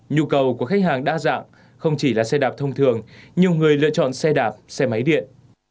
nhu cầu của khách hàng đa dạng không chỉ là xe đạp thông thường nhiều người lựa chọn xe đạp xe máy điện